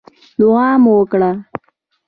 دعا مو وکړه.